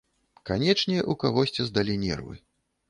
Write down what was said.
Канечне, у кагосьці здалі нервы.